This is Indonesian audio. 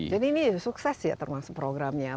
ini sukses ya termasuk programnya